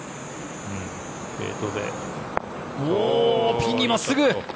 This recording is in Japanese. ピンに真っすぐ！